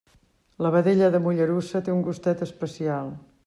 La vedella de Mollerussa té un gustet especial.